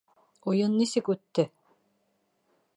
Уйын нисек үтте?